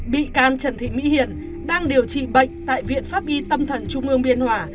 bị can trần thị mỹ hiện đang điều trị bệnh tại viện pháp y tâm thần trung ương biên hòa